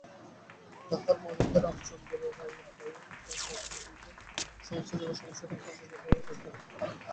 তাঁহার মনে হয়, রামচন্দ্র রায়ের পায়ে কাঁটা ফুটিলে সমস্ত জগৎ-সংসারের প্রাণে বেদনা লাগে।